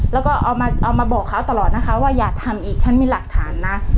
แล้วก็เอามาบอกเขาตลอดนะคะว่าอย่าทำอีกฉันมีหลักฐานนะ